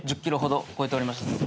１０キロほど超えておりました。